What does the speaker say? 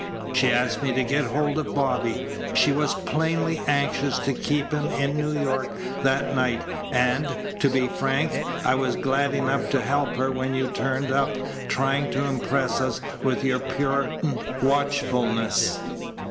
She asked me to get hold of Bobby. She was plainly anxious to keep him in New York that night, and, to be frank, I was glad enough to help her when you turned up, trying to impress us with your puritan watchfulness.